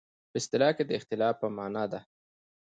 په اصطلاح کې د اختلاف په معنی ده.